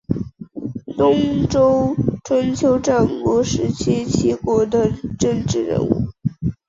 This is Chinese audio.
东周春秋战国时期齐国的政治人物。